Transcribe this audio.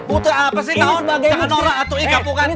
butuh apa sih tahu bagai bukti